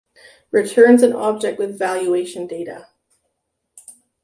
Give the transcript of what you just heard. Returns an object with valuation data